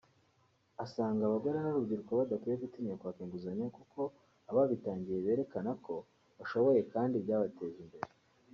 asanga abagore n’urubyiruko badakwiye gutinya kwaka inguzanyo kuko ababitangiye berekana ko bashoboye kandi byabateje imbere